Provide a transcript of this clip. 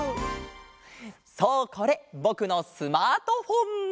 そうこれぼくのスマートフォン！